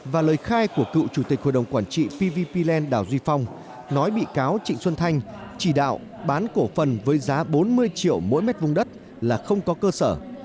và lời khai của cựu chủ tịch hội đồng quản trị pvp land đào duy phong nói bị cáo trịnh xuân thanh chỉ đạo bán cổ phần với giá bốn mươi triệu mỗi mét vung đất là không có cơ sở